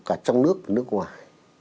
cả trong nước và nước ngoài